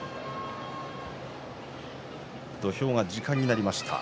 土俵が時間になりました。